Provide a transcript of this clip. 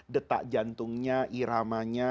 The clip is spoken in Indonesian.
detak jantungnya iramanya